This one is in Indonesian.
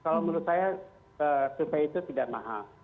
kalau menurut saya survei itu tidak mahal